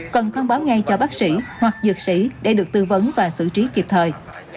cần thông báo ngay cho bác sĩ hoặc dược sĩ để được tư vấn và xử trí kịp thời